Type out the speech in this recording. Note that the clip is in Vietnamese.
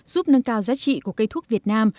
giúp nâng cao giá trị của cây thuốc việt nam